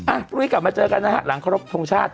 พรุ่งนี้กลับมาเจอกันนะฮะหลังครบทรงชาติ